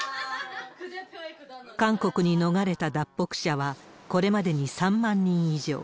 韓国に逃れた脱北者は、これまでに３万人以上。